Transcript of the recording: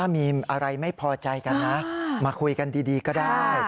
มีอะไรไม่พอใจกันนะมาคุยกันดีก็ได้